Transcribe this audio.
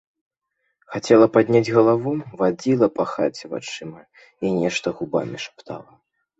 Хацела падняць галаву, вадзіла па хаце вачыма і нешта губамі шаптала.